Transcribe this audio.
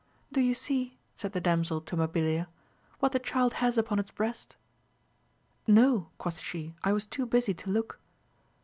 Do you see, said the damsel to Mabilia, what the child has upon its breast? No, quoth she, I was too busy to look.